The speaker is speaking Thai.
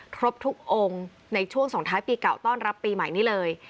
ครบทุกองค์ในช่วงส่งท้ายปีเก่าต้อนรับปีใหม่นี้เลย